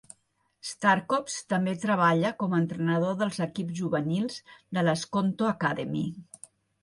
Starkovs també treballa com a entrenador dels equips juvenils de la Skonto Academy.